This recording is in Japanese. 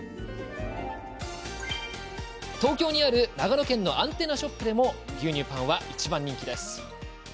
東京にある長野県のアンテナショップでも牛乳パンは一番人気。